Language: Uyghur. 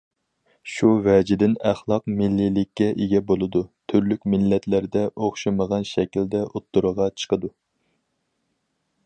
شۇ ۋەجىدىن ئەخلاق مىللىيلىككە ئىگە بولىدۇ، تۈرلۈك مىللەتلەردە ئوخشىمىغان شەكىلدە ئوتتۇرىغا چىقىدۇ.